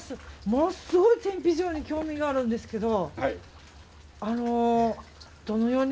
ものすごい天日塩に興味があるんですけど。